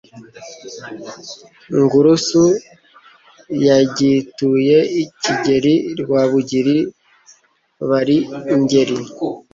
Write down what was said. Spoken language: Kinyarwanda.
NGURUSU yagituye Kigeli Rwabugiri bari i Ngeli,